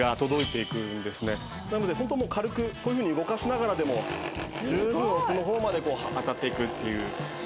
なのでもう軽くこういうふうに動かしながらでもじゅうぶん奥の方まで当たっていくっていう。